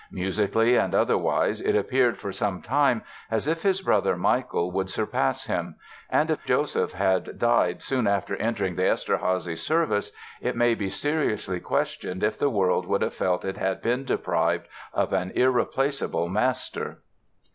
Musically and otherwise it appeared for some time as if his brother, Michael, would surpass him; and if Joseph had died soon after entering the Eszterházy service it may be seriously questioned if the world would have felt it had been deprived of an irreplaceable master.